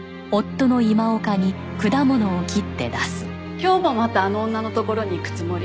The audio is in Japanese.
今日もまたあの女のところに行くつもり？